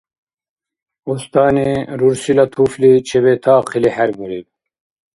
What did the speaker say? Устани рурсила туфли чебетаахъили хӀербариб.